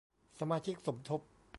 สมาชิกสมทบ